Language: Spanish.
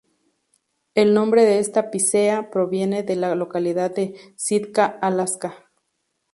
El nombre de esta pícea proviene de la localidad de Sitka, Alaska.